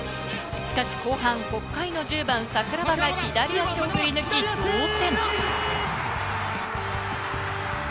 しかし後半、北海の１０番・桜庭が左足を振り抜き同点。